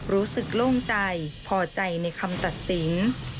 รู้สึกโล่งใจพอใจในคำตัดสิน